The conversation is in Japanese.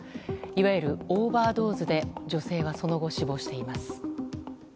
いわゆるオーバードーズで女性はその後、死亡しています。